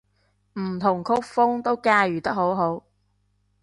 唔同曲風都駕馭得好好